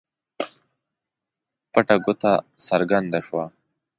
پټه ګوته څرګنده شوه.